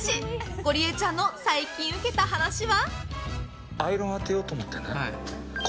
ゴリエちゃんの最近ウケた話は？